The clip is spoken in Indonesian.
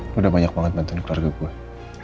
lo udah banyak banget bantuin keluarga gue